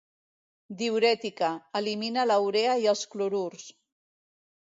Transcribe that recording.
Diürètica, elimina la urea i els clorurs.